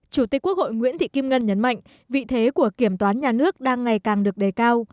chủ tịch quốc hội nguyễn thị kim ngân nhấn mạnh vị thế của kiểm toán nhà nước đang ngày càng được đề cao